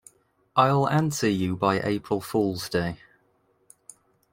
I'll answer you by April Fool's Day.